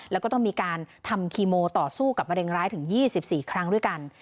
แล้วก็ต้องมีการทำคีโมต่อสู้กับมะเร็งร้ายถึง๒๔ครั้งด้วยกัน